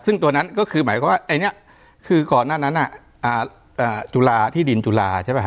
ซึ่งตัวนั้นก็คือหมายความว่าไอ้เนี่ยคือก่อนหน้านั้นจุฬาที่ดินจุฬาใช่ไหมฮ